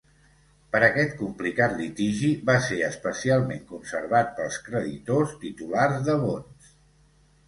Per aquest complicat litigi va ser especialment conservat pels creditors titulars de bons.